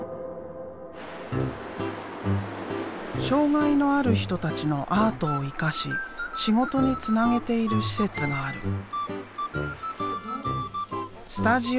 障害のある人たちのアートを生かし仕事につなげている施設がある。